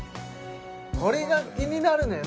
これが気になるのよ